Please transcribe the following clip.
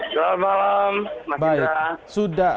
selamat malam mas indra